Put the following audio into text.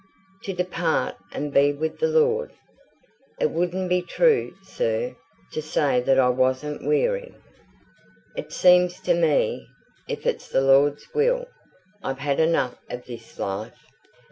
"To depart and be with the Lord. It wouldn't be true, sir, to say that I wasn't weary. It seems to me, if it's the Lord's will, I've had enough of this life.